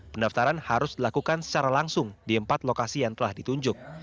pendaftaran harus dilakukan secara langsung di empat lokasi yang telah ditunjuk